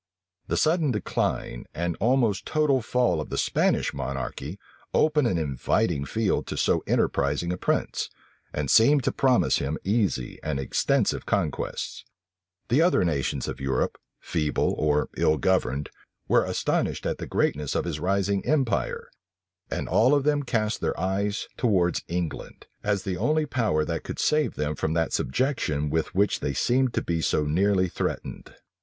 The sudden decline, and almost total fall of the Spanish monarchy, opened an inviting field to so enterprising a prince, and seemed to promise him easy and extensive conquests*[missing period] The other nations of Europe, feeble or ill governed, were astonished at the greatness of his rising empire; and all of them cast their eyes towards England, as the only power which could save them from that subjection with which they seemed to be so nearly threatened.